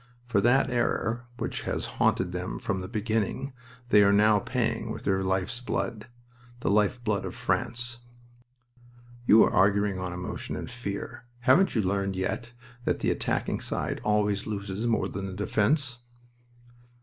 For that error, which has haunted them from the beginning, they are now paying with their life's blood the life blood of France." "You are arguing on emotion and fear. Haven't you learned yet that the attacking side always loses more than the defense?"